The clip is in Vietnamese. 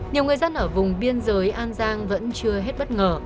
nhiều người dân ở vùng biên giới an giang vẫn chưa hết bất ngờ